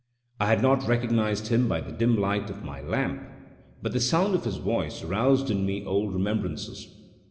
I had not recognized him by the dim light of my lamp, but the sound of his voice roused in me old remembrances.